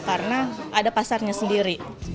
karena ada pasarnya sendiri